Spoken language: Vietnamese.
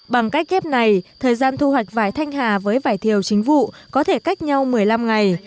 bằng cách ghép này thời gian thu hoạch vải thanh hà với vải thiều chính vụ có thể cách nhau một mươi năm ngày